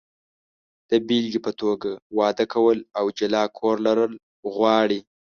د بېلګې په توګه، واده کول او جلا کور لرل غواړي.